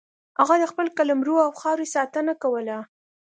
هغه د خپل قلمرو او خاورې ساتنه کوله.